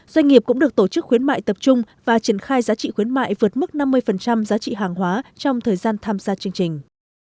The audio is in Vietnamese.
doanh nghiệp cũng được tổ chức khuyến mại tập trung và triển khai giá trị khuyến mại vượt mức năm mươi giá trị hàng hóa trong thời gian tham gia chương trình